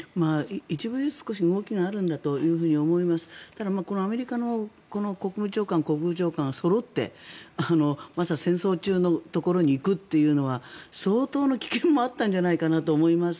一部ずつ少し動きがあるんだと思いますがただ、アメリカの、この国務長官国防長官がそろって戦争中のところに行くというのは相当な危険もあったんじゃないかなと思います。